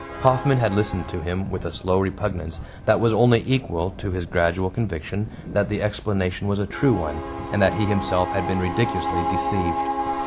Hoffman had listened to him with a slow repugnance that was only equal to his gradual conviction that the explanation was a true one, and that he himself had been ridiculously deceived.